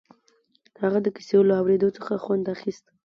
هغه د کيسو له اورېدو څخه خوند اخيست.